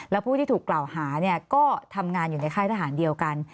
แล้วผู้ที่ถูกกล่าวหาก็ทำงานอยู่ในค่ายทหารเดียวกัน